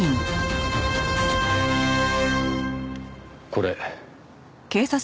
これ。